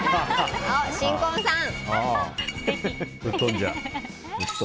新婚さん！